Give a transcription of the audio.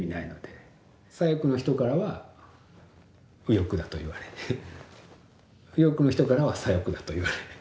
左翼の人からは右翼だと言われ右翼の人からは左翼だと言われ。